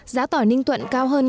giá tỏi ninh thuật cao hơn